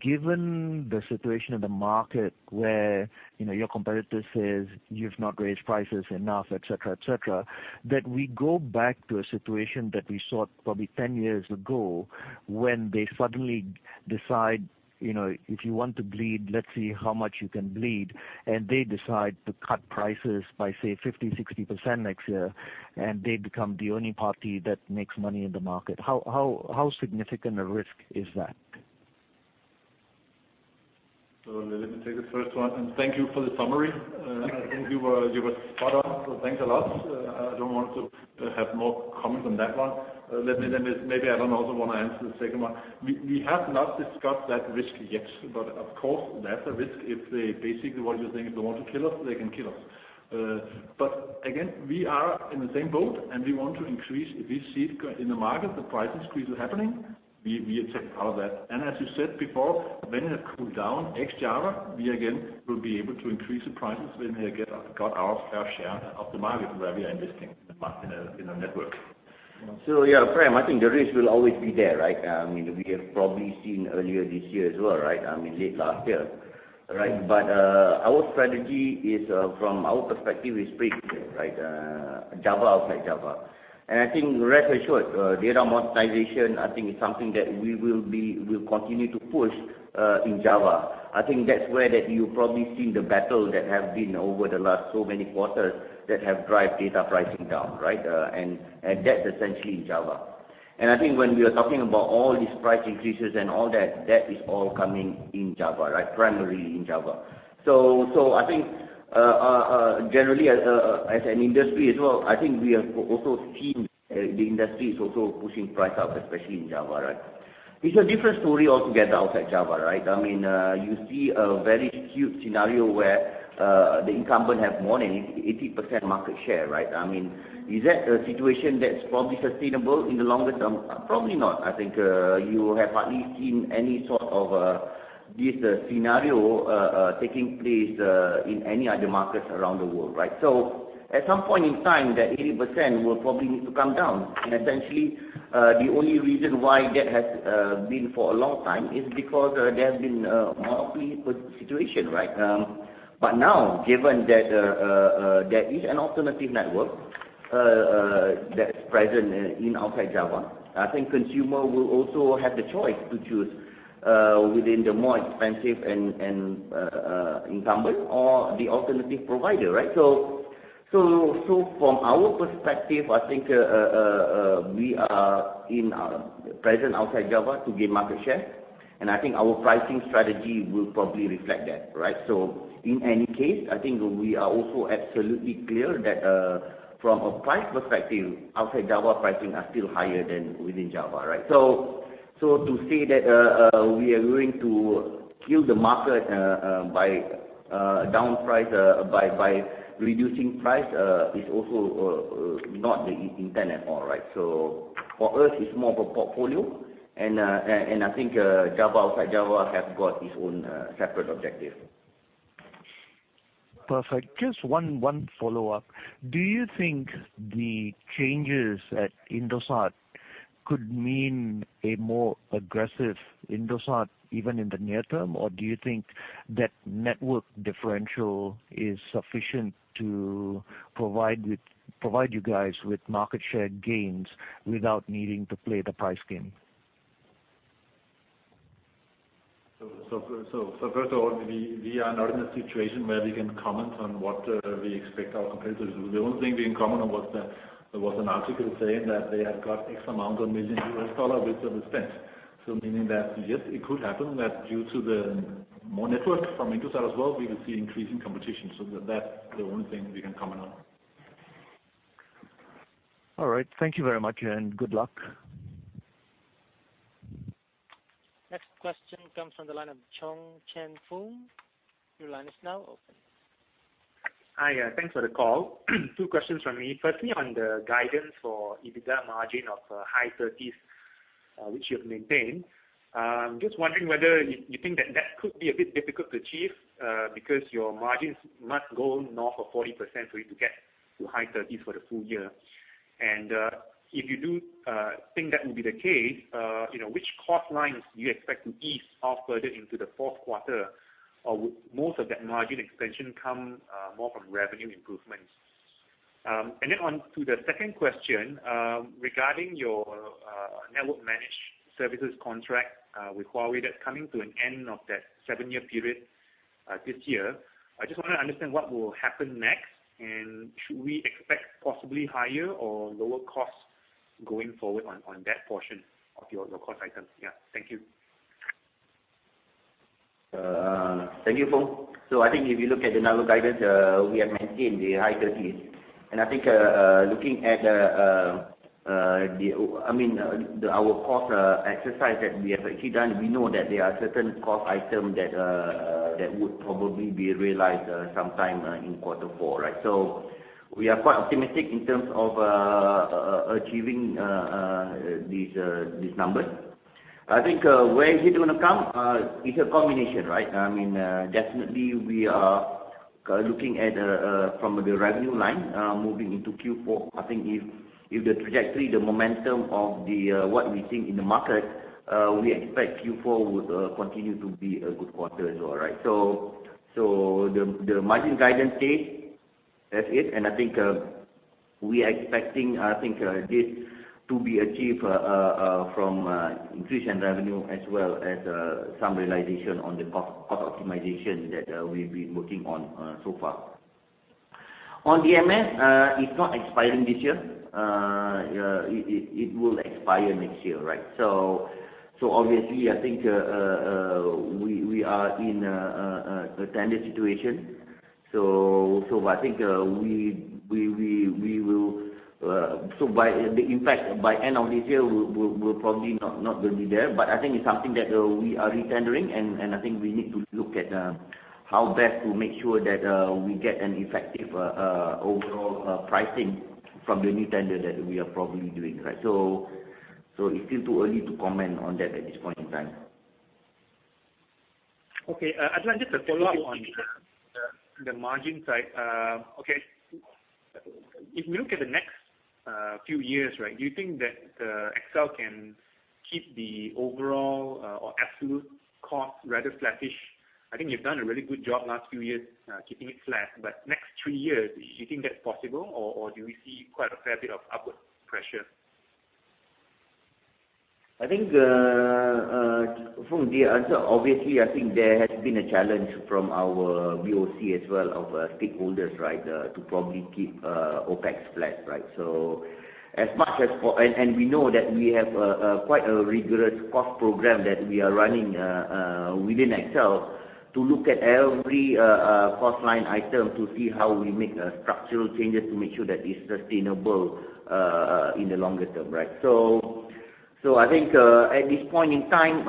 given the situation of the market where your competitor says you've not raised prices enough, et cetera. That we go back to a situation that we saw probably 10 years ago, when they suddenly decide, if you want to bleed, let's see how much you can bleed. They decide to cut prices by, say, 50%, 60% next year, and they become the only party that makes money in the market. How significant a risk is that? Let me take the first one, and thank you for the summary. I think you were spot on, thanks a lot. I don't want to have more comment on that one. Maybe Adlan also want to answer the second one. We have not discussed that risk yet. Of course, that's a risk if they basically what you're saying, if they want to kill us, they can kill us. Again, we are in the same boat and we want to increase. If we see it in the market, the price increase is happening, we accept all that. As you said before, when it have cooled down ex-Java, we again will be able to increase the prices when we get our fair share of the market where we are investing in the network. Yeah, Prem, I think the risk will always be there, right? We have probably seen earlier this year as well, right? I mean, late last year. Right. Our strategy is from our perspective is pretty clear, right? Java, outside Java. I think rest assured, data monetization I think is something that we will continue to push in Java. I think that's where you probably seen the battle that have been over the last so many quarters that have drive data pricing down, right? That's essentially in Java. I think when we are talking about all these price increases and all that is all coming in Java, right? Primarily in Java. I think generally as an industry as well, I think we have also seen the industry is also pushing price up, especially in Java, right? It's a different story altogether outside Java, right? You see a very skewed scenario where the incumbent have more than 80% market share, right? Is that a situation that's probably sustainable in the longer term? Probably not. I think you have hardly seen any sort of this scenario taking place in any other markets around the world, right? At some point in time, that 80% will probably need to come down. Essentially, the only reason why that has been for a long time is because there has been a monopoly situation, right? Now, given that there is an alternative network that's present outside Java, I think consumer will also have the choice to choose within the more expensive and incumbent or the alternative provider, right? From our perspective, I think we are present outside Java to gain market share, and I think our pricing strategy will probably reflect that. Right? In any case, I think we are also absolutely clear that from a price perspective, outside Java, pricing is still higher than within Java. Right? To say that we are going to kill the market by reducing price is also not the intent at all. Right? For us, it's more of a portfolio and I think outside Java have got its own separate objective. Perfect. Just one follow-up. Do you think the changes at Indosat could mean a more aggressive Indosat even in the near term, or do you think that network differential is sufficient to provide you guys with market share gains without needing to play the price game? First of all, we are not in a situation where we can comment on what we expect our competitors to do. The only thing we can comment on was an article saying that they have got X amount of million U.S. dollars which they will spend. Meaning that, yes, it could happen that due to more network from Indosat as well, we could see increasing competition. That's the only thing we can comment on. All right. Thank you very much and good luck. Next question comes from the line of Chong Chen Foong. Your line is now open. Hi. Thanks for the call. Two questions from me. Firstly, on the guidance for EBITDA margin of high 30s, which you have maintained. I'm just wondering whether you think that that could be a bit difficult to achieve because your margins must go north of 40% for you to get to high 30s for the full year. If you do think that will be the case, which cost lines do you expect to ease off further into the fourth quarter? Would most of that margin expansion come more from revenue improvements? On to the second question, regarding your network managed services contract with Huawei that's coming to an end of that seven-year period this year. I just want to understand what will happen next, and should we expect possibly higher or lower costs going forward on that portion of your cost items? Yeah. Thank you. Thank you, Foong. I think if you look at the network guidance, we have maintained the high 30s. I think looking at our cost exercise that we have actually done, we know that there are certain cost items that would probably be realized sometime in quarter four, right? We are quite optimistic in terms of achieving these numbers. I think where is it going to come? It's a combination, right? Definitely we are looking at from the revenue line moving into Q4. I think if the trajectory, the momentum of what we think in the market, we expect Q4 would continue to be a good quarter as well, right? The margin guidance stays as is, and I think we are expecting this to be achieved from increase in revenue as well as some realization on the cost optimization that we've been working on so far. On DMS, it's not expiring this year. It will expire next year. Right? Obviously, I think we are in a tender situation. I think by end of this year, we're probably not going to be there, but I think it's something that we are retendering, and I think we need to look at how best to make sure that we get an effective overall pricing from the new tender that we are probably doing. Right? It's still too early to comment on that at this point in time. Okay. Adlan, just a follow-up on the margin side. If we look at the next few years, right, do you think that XL can keep the overall or absolute cost rather sluggish? I think you've done a really good job the last few years keeping it flat, but the next three years, do you think that's possible, or do we see quite a fair bit of upward pressure? I think, Foong, the answer, obviously, I think there has been a challenge from our BOC as well of stakeholders, right, to probably keep OPEX flat, right? We know that we have quite a rigorous cost program that we are running within XL to look at every cost line item to see how we make structural changes to make sure that it's sustainable in the longer term, right? I think at this point in time,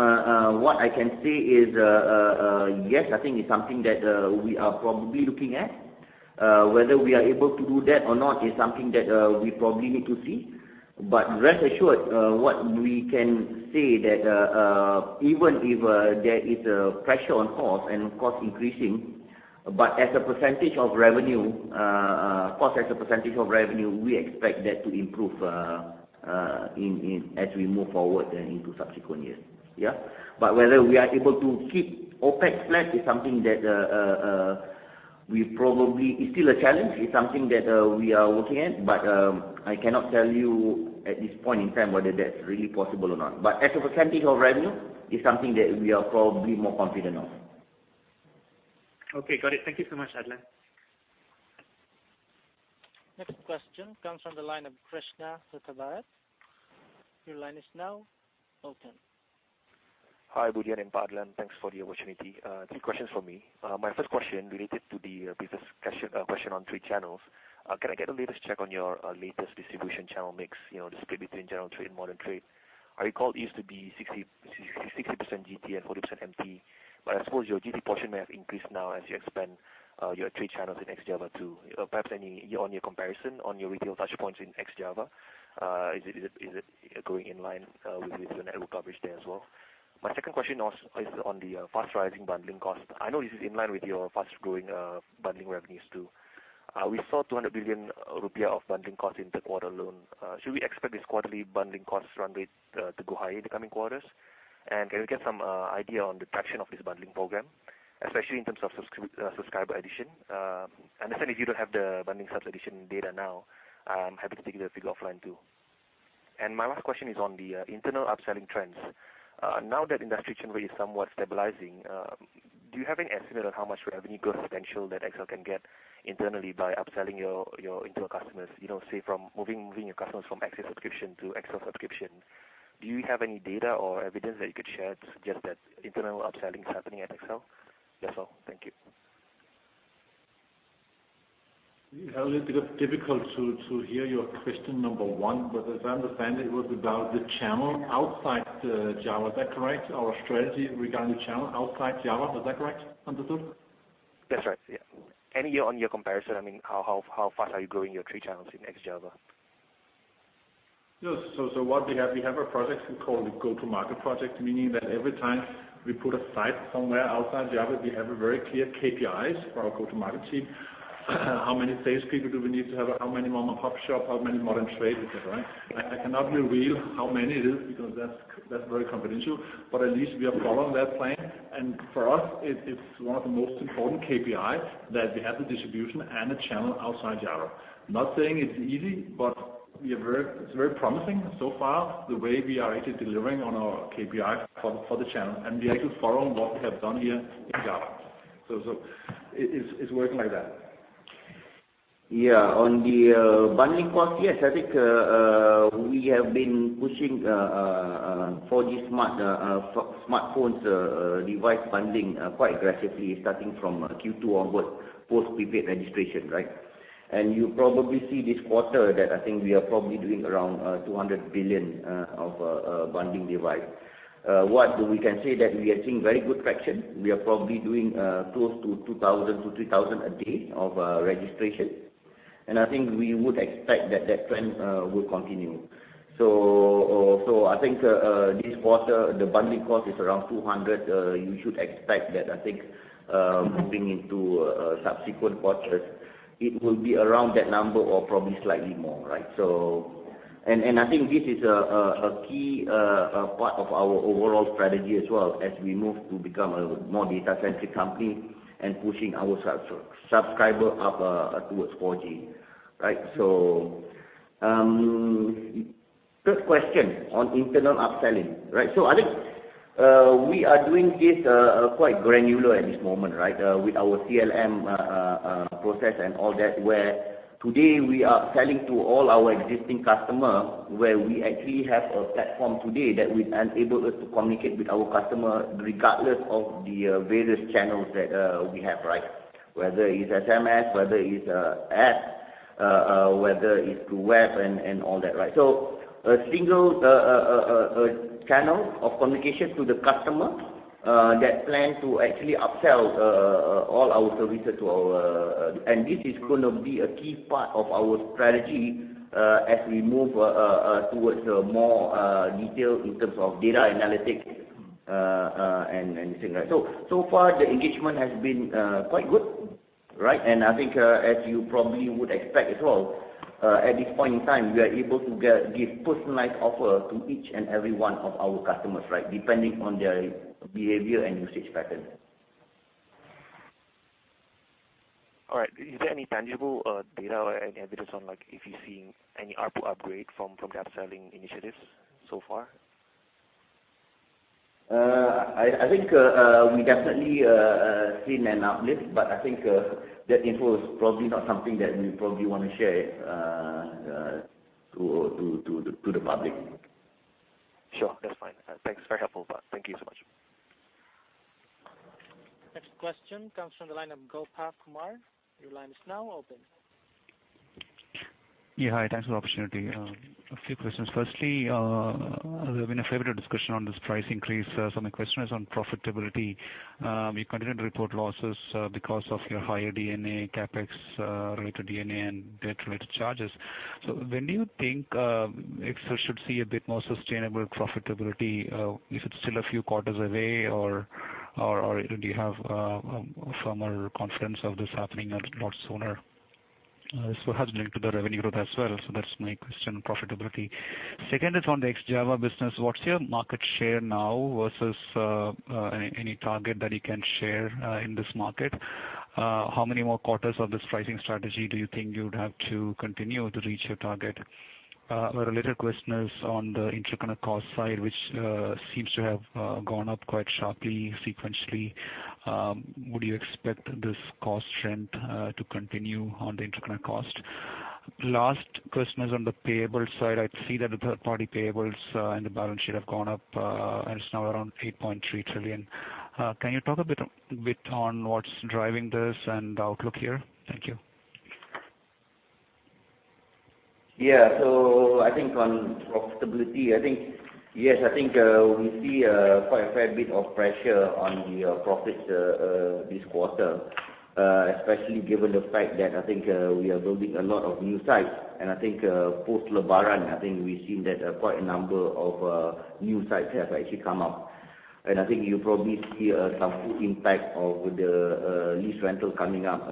what I can say is, yes, I think it's something that we are probably looking at. Whether we are able to do that or not is something that we probably need to see. Rest assured, what we can say is that even if there is pressure on cost and cost increasing, as a percentage of revenue, cost as a percentage of revenue, we expect that to improve as we move forward into subsequent years. Yeah. Whether we are able to keep OPEX flat is something that probably is still a challenge. It's something that we are working at, but I cannot tell you at this point in time whether that's really possible or not. As a percentage of revenue, it's something that we are probably more confident of. Okay, got it. Thank you so much, Adlan. Next question comes from the line of Krishnakumar Srinivasan. Your line is now open. Hi, Ibu Dian and Adlin. Thanks for the opportunity. Three questions from me. My first question related to the previous question on trade channels. Can I get the latest check on your latest distribution channel mix, the split between general trade and modern trade? I recall it used to be 60% GT and 40% MT, but I suppose your GT portion may have increased now as you expand your trade channels in ex-Java too. Perhaps on your comparison on your retail touchpoints in ex-Java. Is it going in line with your network coverage there as well? My second question is on the fast rising bundling cost. I know this is in line with your fast-growing bundling revenues too. We saw 200 billion rupiah of bundling cost in the quarter alone. Should we expect this quarterly bundling cost run rate to go higher in the coming quarters? Can we get some idea on the traction of this bundling program, especially in terms of subscriber addition? I understand if you don't have the bundling subs addition data now, I'm happy to take the figure offline too. My last question is on the internal upselling trends. Now that industry churn rate is somewhat stabilizing, do you have an estimate on how much revenue growth potential that XL can get internally by upselling your internal customers? Say from moving your customers from AXIS subscription to XL subscription. Do you have any data or evidence that you could share to suggest that internal upselling is happening at XL? That's all. Thank you. A little bit difficult to hear your question number 1, as I understand, it was about the channel outside Java, is that correct? Our strategy regarding channel outside Java, is that correct understood? That's right, yeah. On your comparison, how fast are you growing your trade channels in ex-Java? Yes. What we have, we have a project we call the go-to-market project, meaning that every time we put a site somewhere outside Java, we have a very clear KPIs for our go-to-market team. How many salespeople do we need to have? How many more pop shops? How many modern trade, et cetera. I cannot reveal how many it is because that's very confidential. At least we are following that plan. For us, it's one of the most important KPIs that we have the distribution and a channel outside Java. Not saying it's easy, it's very promising so far the way we are actually delivering on our KPI for the channel. We are actually following what we have done here in Java. It's working like that. Yes. On the bundling cost, yes, I think we have been pushing 4G smartphones device bundling quite aggressively starting from Q2 onwards, post prepaid registration. You probably see this quarter that I think we are probably doing around 200 billion of bundling device. What we can say that we are seeing very good traction. We are probably doing close to 2,000 to 3,000 a day of registration. I think we would expect that trend will continue. So I think this quarter the bundling cost is around 200 billion. You should expect that I think moving into subsequent quarters it will be around that number or probably slightly more. I think this is a key part of our overall strategy as well as we move to become a more data centric company and pushing our subscriber up towards 4G. Third question on internal upselling. I think we are doing this quite granular at this moment. With our CLM process and all that where today we are selling to all our existing customer where we actually have a platform today that enables us to communicate with our customer regardless of the various channels that we have. Whether it's SMS, whether it's app, whether it's through web and all that. A single channel of communication to the customer that plan to actually upsell all our services. This is going to be a key part of our strategy as we move towards more detail in terms of data analytics and things. So far, the engagement has been quite good. I think as you probably would expect as well, at this point in time we are able to give personalized offer to each and every one of our customers depending on their behavior and usage pattern. All right. Is there any tangible data or any evidence on if you're seeing any ARPU upgrade from the upselling initiatives so far? I think we definitely see an uplift, but I think that info is probably not something that we probably want to share to the public. Sure, that's fine. Thanks. Very helpful. Thank you so much. Next question comes from the line of Gopalkrishnan Kumar. Your line is now open. Yeah, hi. Thanks for the opportunity. A few questions. Firstly, there's been a fair bit of discussion on this price increase. My question is on profitability. You continue to report losses because of your higher D&A CapEx related to D&A and debt related charges. When do you think XL should see a bit more sustainable profitability? Is it still a few quarters away or do you have a firmer confidence of this happening a lot sooner? It has linked to the revenue growth as well. That's my question on profitability. Second is on the ex-Java business. What's your market share now versus any target that you can share in this market? How many more quarters of this pricing strategy do you think you'd have to continue to reach your target? A related question is on the interconnect cost side, which seems to have gone up quite sharply sequentially. Would you expect this cost trend to continue on the interconnect cost? Last question is on the payable side. I see that the third-party payables in the balance sheet have gone up and it's now around 8.3 trillion. Can you talk a bit on what's driving this and the outlook here? Thank you. On profitability, yes, I think we see quite a fair bit of pressure on the profits this quarter, especially given the fact that I think we are building a lot of new sites. Post-Lebaran, I think we've seen that quite a number of new sites have actually come up. I think you probably see some impact of the lease rental coming up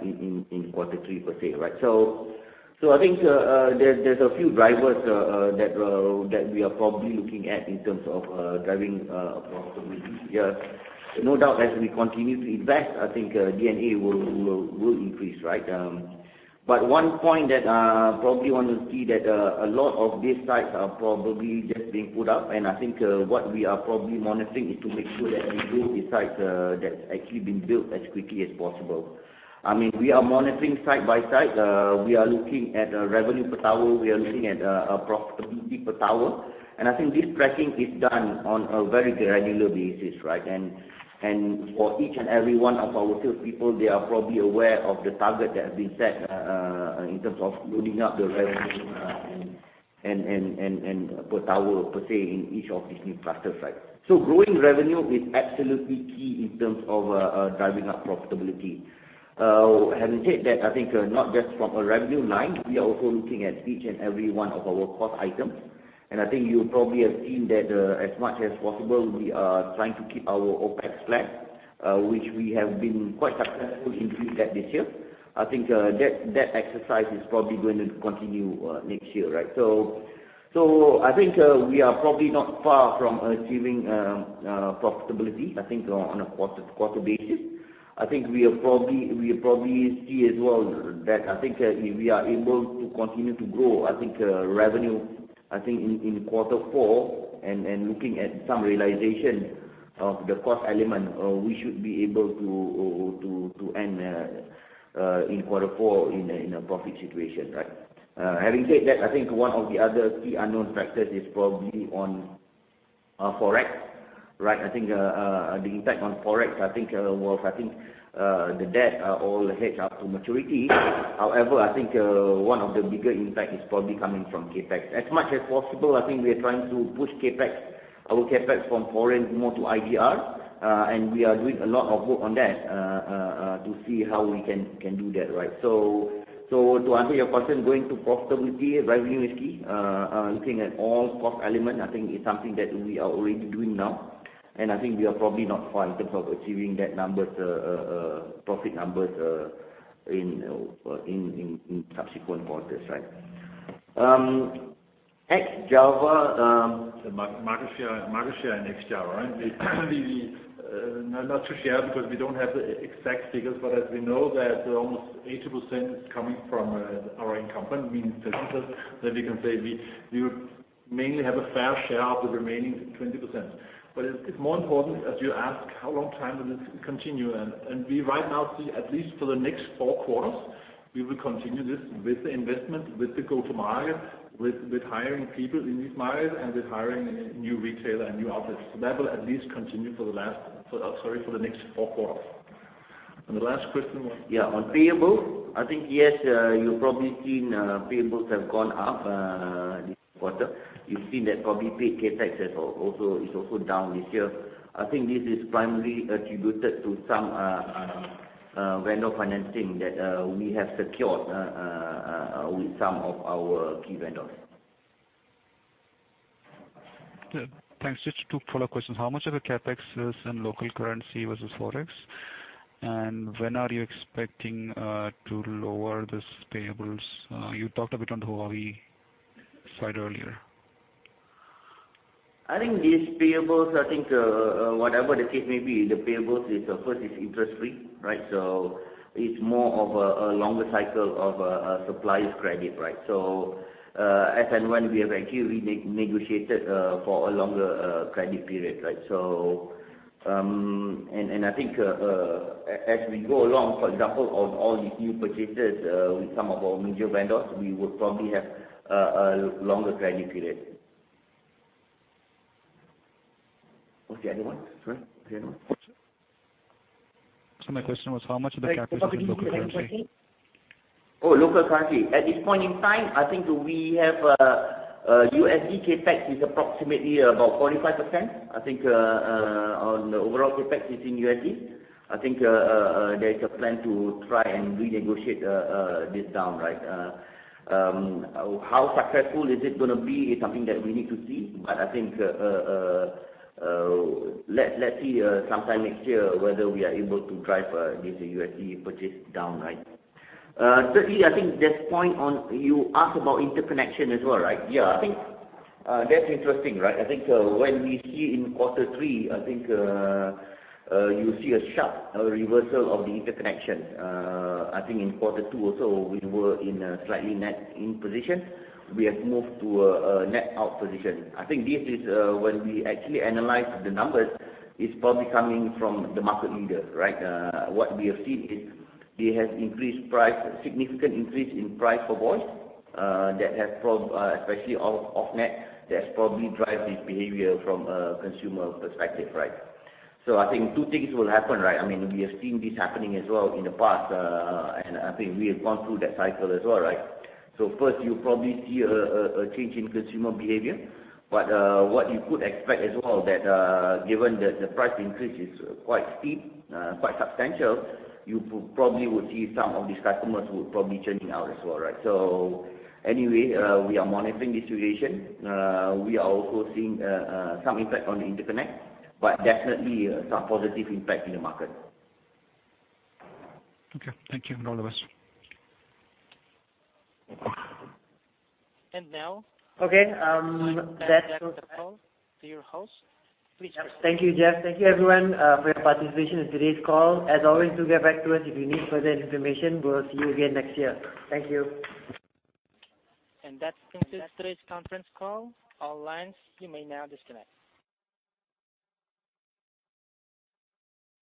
in quarter three per se, right? I think there's a few drivers that we are probably looking at in terms of driving profitability. No doubt, as we continue to invest, D&A will increase, right? One point that I probably want to see that a lot of these sites are probably just being put up. I think what we are probably monitoring is to make sure that we build these sites that actually been built as quickly as possible. We are monitoring site by site. We are looking at revenue per tower. We are looking at profitability per tower. I think this tracking is done on a very regular basis, right? For each and every one of our retail people, they are probably aware of the target that has been set in terms of loading up the revenue and per tower per se in each of these new clusters, right? Growing revenue is absolutely key in terms of driving up profitability. Having said that, I think not just from a revenue line, we are also looking at each and every one of our cost items. I think you probably have seen that as much as possible, we are trying to keep our OPEX flat, which we have been quite successful in doing that this year. I think that exercise is probably going to continue next year, right? I think we are probably not far from achieving profitability on a quarter basis. I think we'll probably see as well that I think if we are able to continue to grow revenue in quarter four and looking at some realization of the cost element, we should be able to end in quarter four in a profit situation, right? Having said that, I think one of the other key unknown factors is probably on Forex, right? I think the impact on Forex, I think the debts are all hedged up to maturity. However, I think one of the bigger impact is probably coming from CapEx. As much as possible, I think we are trying to push our CapEx from foreign more to IDR, and we are doing a lot of work on that to see how we can do that, right? To answer your question, going to profitability, revenue is key. Looking at all cost elements, I think it's something that we are already doing now. I think we are probably not far in terms of achieving that profit numbers in subsequent quarters, right? At Java- Market share in East Java, right? Not to share because we don't have the exact figures, but as we know that almost 80% is coming from our incumbent, meaning Telkomsel. We can say we would mainly have a fair share of the remaining 20%. It's more important as you ask how long time will this continue, and we right now see at least for the next four quarters, we will continue this with the investment, with the go to market, with hiring people in these markets, and with hiring new retailer and new outlets. That will at least continue for the next four quarters. The last question was? On payable, I think yes, you've probably seen payables have gone up this quarter. You've seen that probably paid CapEx is also down this year. I think this is primarily attributed to some vendor financing that we have secured with some of our key vendors. Thanks. Just two follow-up questions. How much of the CapEx is in local currency versus Forex? When are you expecting to lower these payables? You talked a bit on the Huawei side earlier. These payables, whatever the case may be, the payables first is interest-free, right? It's more of a longer cycle of a supplier's credit, right? As and when we have actually renegotiated for a longer credit period, right? I think as we go along, for example, on all these new purchases with some of our major vendors, we would probably have a longer credit period. What's the other one? Sorry. What's the other one? Sorry. My question was how much of the CapEx is local currency? Local currency. At this point in time, we have USD CapEx is approximately about 45%. On the overall CapEx is in USD. There is a plan to try and renegotiate this down, right? How successful is it going to be is something that we need to see. Let's see sometime next year whether we are able to drive this USD purchase down, right? Thirdly, there's a point on you asked about interconnection as well, right? That's interesting, right? When we see in quarter three, you see a sharp reversal of the interconnection. In quarter two also, we were in a slightly net in position. We have moved to a net out position. This is when we actually analyze the numbers, it's probably coming from the market leader, right? What we have seen is they have increased price, significant increase in price for voice, especially off-net. That's probably drive this behavior from a consumer perspective, right? Two things will happen, right? We have seen this happening as well in the past, we have gone through that cycle as well, right? First, you probably see a change in consumer behavior. What you could expect as well that given that the price increase is quite steep, quite substantial, you probably would see some of these customers would probably churning out as well, right? Anyway, we are monitoring this situation. We are also seeing some impact on the interconnect, but definitely some positive impact in the market. Okay. Thank you and all the best. And now- Okay. Back to the call to your host. Please proceed. Thank you, Jeff. Thank you everyone for your participation in today's call. As always, do get back to us if you need further information. We'll see you again next year. Thank you. That concludes today's conference call. All lines, you may now disconnect.